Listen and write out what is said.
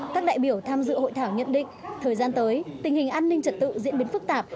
các đại biểu tham dự hội thảo nhận định thời gian tới tình hình an ninh trật tự diễn biến phức tạp